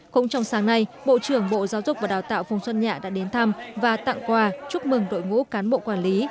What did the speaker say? cũng trong sáng nay bộ trưởng bộ giáo dục và đào tạo phùng xuân nhạ đã đến thăm và tặng quà chúc mừng đội ngũ cán bộ quản lý